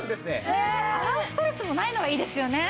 洗うストレスもないのがいいですよね。